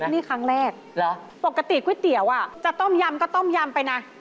นี่ครั้งแรกปกติก๋วยเตี๋ยวจะต้มยำก็ต้มยำไปนะ